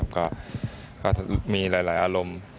ก็มีหลายอารมณ์